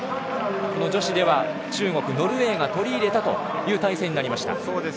この女子では中国、ノルウェーが取り入れたという体制になりました。